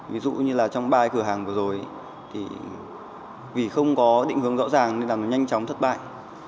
ví dụ như trong bài cửa hàng vừa rồi vì không có định hướng rõ ràng nên là nó nhanh chóng thất bại